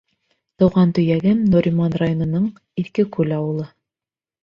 — Тыуған төйәгем — Нуриман районының Иҫке Күл ауылы.